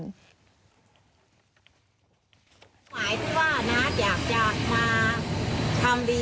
หมายถึงว่านักอยากจะมาทำดีเพื่อท่านมาก